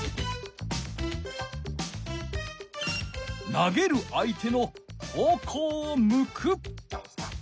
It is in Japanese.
投げる相手の方向を向く。